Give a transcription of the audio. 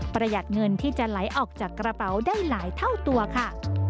ประหยัดเงินที่จะไหลออกจากกระเป๋าได้หลายเท่าตัวค่ะ